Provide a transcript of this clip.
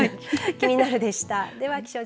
キニナル！でした。